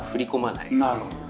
なるほどね。